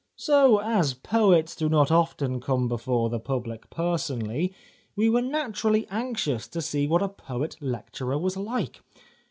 So, as poets do not often come before the public personally, we were naturally anxious to see what a poet lecturer was like.